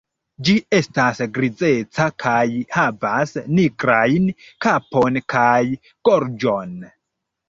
Ĝi estas grizeca kaj havas nigrajn kapon kaj gorĝon.